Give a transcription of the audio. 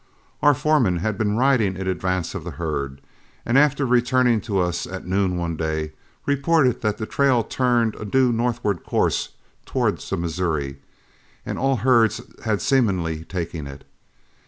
Our foreman had been riding in advance of the herd, and after returning to us at noon one day, reported that the trail turned a due northward course towards the Missouri, and all herds had seemingly taken it.